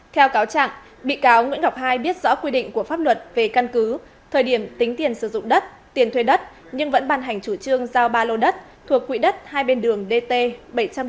theo cáo trạng bị cáo nguyễn ngọc hai biết rõ quy định của pháp luật về căn cứ thời điểm tính tiền sử dụng đất tiền thuê đất nhưng vẫn bàn hành chủ trương giao ba lô đất thuộc quỹ đất hai bên đường dt bảy trăm năm mươi bảy